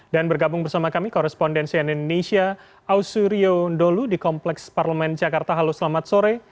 dan bergabung bersama kami korrespondensi anin indonesia ausu ryo ndolu di kompleks parlemen jakarta haluslamat sore